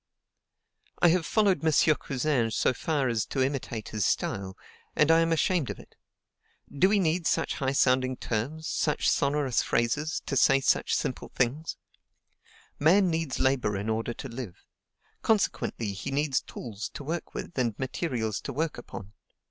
I have followed M. Cousin so far as to imitate his style, and I am ashamed of it. Do we need such high sounding terms, such sonorous phrases, to say such simple things? Man needs to labor in order to live; consequently, he needs tools to work with and materials to work upon.